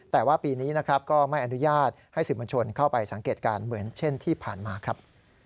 แต่ว่าปีนี้นะครับก็ไม่อนุญาตให้สื่อมวลชนเข้าไปสังเกตการณ์เหมือนเช่นที่ผ่านมาครับ